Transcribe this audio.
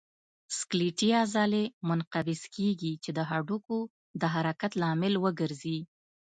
سکلیټي عضلې منقبض کېږي چې د هډوکو د حرکت لامل وګرځي.